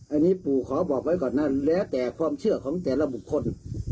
อันนี้ปู่ขอบอกไว้ก่อนนั่นแล้วแต่ความเชื่อของแต่ละบุคคล